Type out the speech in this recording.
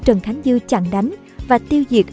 trần khánh dư chặn đánh và tiêu diệt